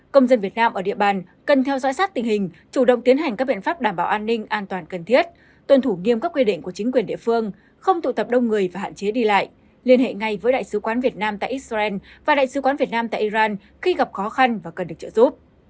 công dân việt nam ở địa bàn cần theo dõi sát tình hình chủ động tiến hành các biện pháp đảm bảo an ninh an toàn cần thiết tuân thủ nghiêm các quy định của chính quyền địa phương không tụ tập đông người và hạn chế đi lại liên hệ ngay với đại sứ quán việt nam tại israel và đại sứ quán việt nam tại iran khi gặp khó khăn và cần được trợ giúp